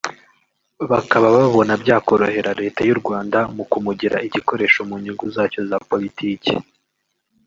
bakaba babona byakorohera Leta y’u Rwanda mu kumugira igikoresho mu nyungu zacyo za politiki